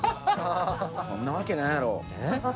そんなわけないやろ。